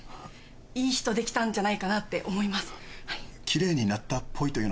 いい人できたんじゃないかなって思いますはい。